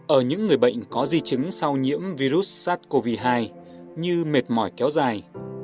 ở những người bệnh có di chứng sau nhiễm virus sars cov hai như mệt mỏi kéo dài